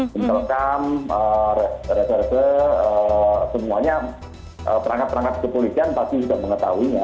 misalkan res res res semuanya perangkat perangkat kepolisian pasti sudah mengetahuinya